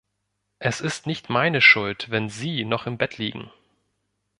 Es ist nicht meine Schuld, wenn Sie noch im Bett liegen.